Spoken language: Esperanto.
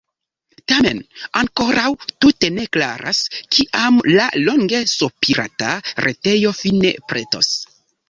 Tamen ankoraŭ tute ne klaras, kiam la longe sopirata retejo fine pretos.